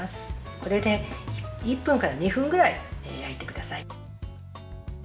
これで１分から２分ぐらい焼いてください。